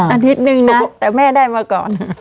อาทิตย์นึงนะแต่แม่ได้มาก่อน